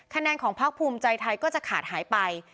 คะแนนของพักภูมิใจไทยก็จะขาดหายไป